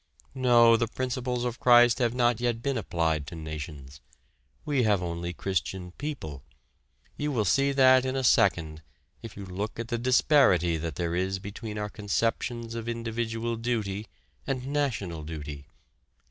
No, the principles of Christ have not yet been applied to nations. We have only Christian people. You will see that in a second, if you look at the disparity that there is between our conceptions of individual duty and national duty.